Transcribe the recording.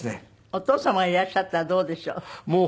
お父様がいらっしゃったらどうでしょう？